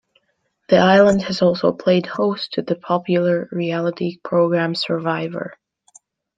The island has also played host to the popular reality program "Survivor".